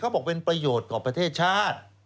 บอกเป็นประโยชน์กับประเทศชาติ